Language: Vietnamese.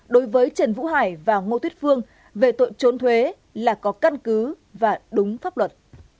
đối với trần vũ hải và ngô tuyết phương về tội trốn thuế là có căn cứ và đúng pháp luật